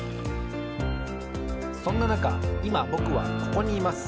そんななかいまぼくはここにいます。